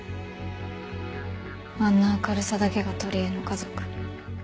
あんな明るさだけが取りえの家族。